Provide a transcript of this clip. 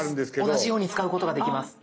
同じように使うことができます。